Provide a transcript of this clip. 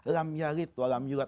lam yalit walam yulat